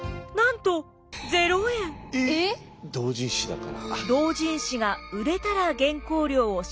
同人誌だから。